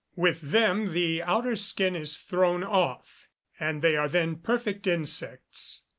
With them the outer skin is thrown off, and they are then perfect insects.